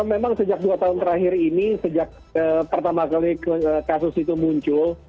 memang sejak dua tahun terakhir ini sejak pertama kali kasus itu muncul